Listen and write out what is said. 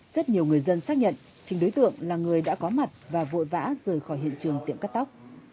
rất nhiều người dân xác nhận chính đối tượng là người đã có mặt và vội vã rời khỏi hiện trường tiệm cắt tóc